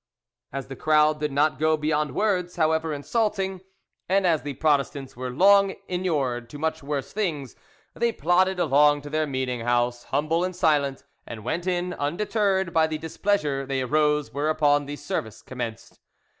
As the crowd did not go beyond words, however insulting, and as the Protestants were long inured to much worse things, they plodded along to their meeting house, humble and silent, and went in, undeterred by the displeasure they aroused, whereupon the service commenced.